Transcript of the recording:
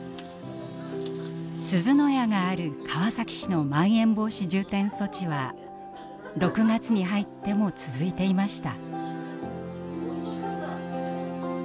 すずの家がある川崎市のまん延防止重点措置は６月に入っても続いていました。